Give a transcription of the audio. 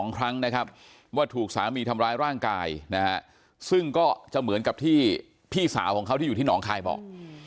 ครั้งนะครับว่าถูกสามีทำร้ายร่างกายนะฮะซึ่งก็จะเหมือนกับที่พี่สาวของเขาที่อยู่ที่หนองคายบอก